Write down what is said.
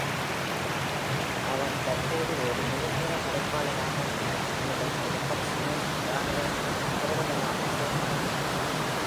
அவர் தற்போது ஒரு முழுநேர படைப்பாளராக உள்ளார், மேலும் ஒரு Fox News இராணுவ புரவலராக செயல்படுகிறார்.